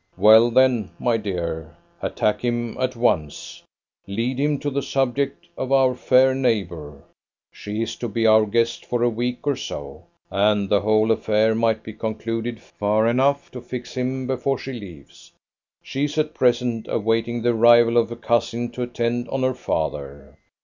Well, then, my dear, attack him at once; lead him to the subject of our fair neighbour. She is to be our guest for a week or so, and the whole affair might be concluded far enough to fix him before she leaves. She is at present awaiting the arrival of a cousin to attend on her father.